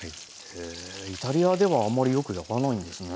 へえイタリアではあんまりよく焼かないんですね。